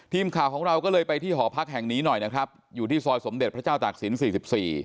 ทีมข่าวของเราก็เลยไปที่หอพักแห่งนี้หน่อยนะครับอยู่ที่ซอยสมเด็จพระเจ้าตากศิลปสี่สิบสี่